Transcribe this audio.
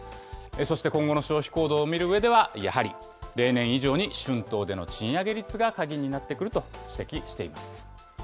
そして今後の消費行動を見るうえではやはり、例年以上に春闘での賃上げ率が鍵になってくると指摘しています。